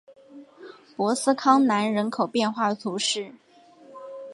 博斯康南人口变化图示